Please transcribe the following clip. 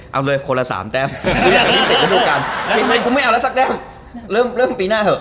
เอาเลยคนละ๓แป้มกูไม่เอาแล้วสักแป้มเริ่มปีหน้าเถอะ